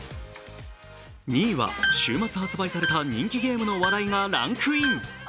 ２位は、週末発売された人気ゲームの話題がランクイン。